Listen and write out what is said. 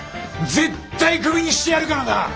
絶対クビにしてやるからな！